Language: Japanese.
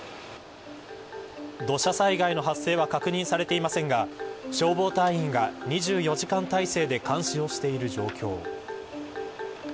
土砂災害の発生は確認されていませんが消防隊員が２４時間体制で監視をしている状況。